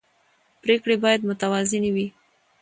پرېکړې باید متوازنې وي